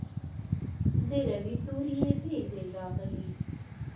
د روي توري یې بیل بیل راغلي.